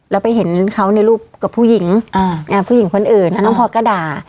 แล้วไปเห็นเขาในรูปกับผู้หญิงผู้หญิงคนอื่นแล้วน้องพอร์ตก็ด่า